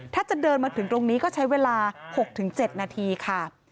ถ้าจะเดินมาถึงตรงนี้ก็ใช้เวลา๖๗นาทีค่ะ